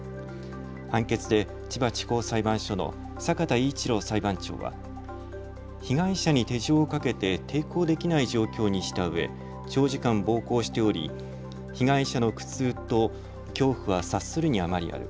判決で千葉地方裁判所の坂田威一郎裁判長は被害者に手錠をかけて抵抗できない状況にしたうえ長時間暴行しており被害者の苦痛と恐怖は察するに余りある。